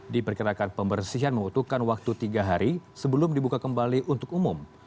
diperkirakan pembersihan membutuhkan waktu tiga hari sebelum dibuka kembali untuk umum